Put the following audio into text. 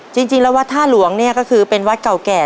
จริงแล้ววัดท่าหลวงเนี่ยก็คือเป็นวัดเก่าแก่